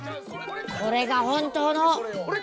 これが本当の。